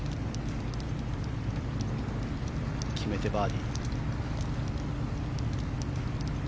決めてバーディー。